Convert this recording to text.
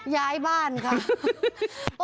ย้ายบ้านค่ะ